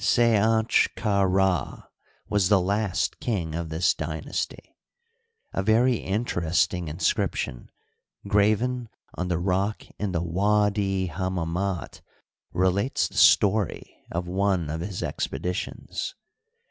Sednch'ka Rd was the last king of this dynasty. A very interesting inscription, graven on the rock in the Widi Hammamit, relates the story of one of his expedi tions.